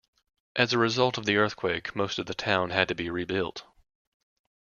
As a result of the earthquake, most of the town had to be rebuilt.